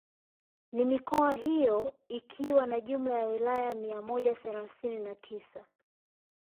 Na mikoa hiyo ikiwa na jumla ya wilaya mia moja thelathini na tisa